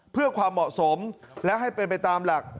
เพื่อความเหมาะสมและให้เป็นไปตามหลัก